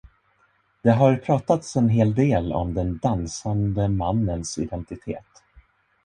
Det har pratats en hel del om den dansande mannens identitet.